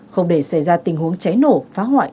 không để xảy ra tình huống cháy nổ phá hoại